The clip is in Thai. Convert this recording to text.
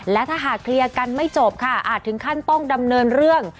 และถ้าหากเคลียร์กันไม่จบค่ะอาจถึงขั้นต้องดำเนินเรื่อง